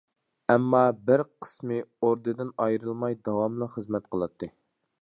ئەمما، بىر قىسمى ئوردىدىن ئايرىلماي داۋاملىق خىزمەت قىلاتتى.